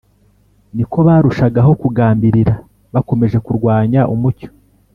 niko barushagaho kugambirira bakomeje kurwanya umucyo